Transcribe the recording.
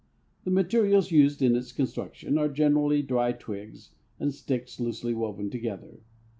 The materials used in its construction are generally dry twigs and sticks loosely woven together.